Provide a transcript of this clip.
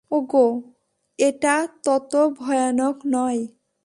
ওগো, এটা তত ভয়ানক নয়।